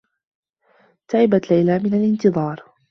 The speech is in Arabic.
تعبت ليلى من الانتظار.